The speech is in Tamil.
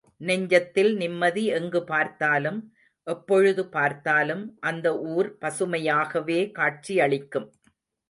நெஞ்சத்தில் நிம்மதி எங்கு பார்த்தாலும், எப்பொழுது பார்த்தாலும், அந்த ஊர் பசுமையாகவே காட்சியளிக்கும்.